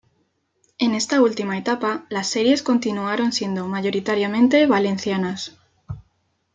En esta última etapa, las series continuaron siendo mayoritariamente valencianas.